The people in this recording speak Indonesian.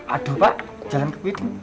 aduh pak jangan kepiting